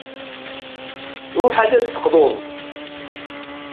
Ruḥ ad d-teqḍuḍ.